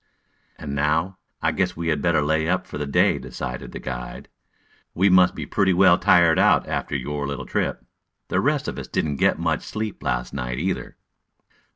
"And now, I guess we had better lay up for the day," decided the guide. "You must be pretty well tired out after your little trip. The rest of us didn't get much sleep last night, either."